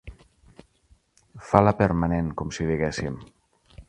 Fa la permanent, com si diguéssim.